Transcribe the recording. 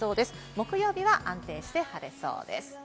木曜日は安定して晴れそうです。